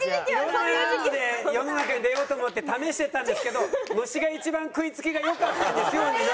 「いろんなので世の中に出ようと思って試してたんですけど虫が一番食い付きが良かったんですよ」になるじゃん。